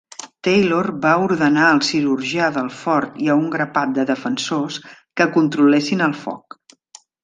Taylor va ordenar al cirurgià del fort i a un grapat de defensors que controlessin el foc.